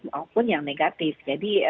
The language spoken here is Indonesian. maupun yang negatif jadi